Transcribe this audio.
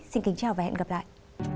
xin kính chào và hẹn gặp lại